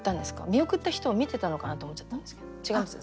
見送った人を見てたのかなって思っちゃったんですけど違います？